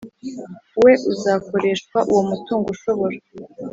we uzakoreshwa Uwo mutungo ushobora